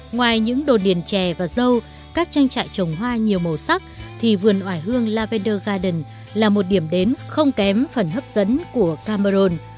ngoài những đồ điền trè và dâu các trang trại trồng hoa nhiều màu sắc thì vườn oải hương lavender garden là một điểm đến không kém phần hấp dẫn của cameroon